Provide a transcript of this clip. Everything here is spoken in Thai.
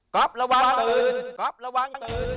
ก๊อฟระวังเตือน